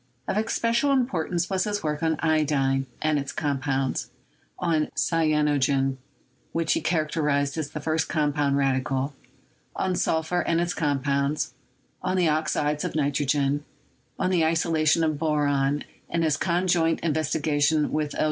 Of especial im portance was his work on iodine and its compounds; on cyanogen, which he characterized as the first compound radical; on sulphur and its compounds; on the oxides of nitrogen ; on the isolation of boron ; and his conjoint in vestigations with L.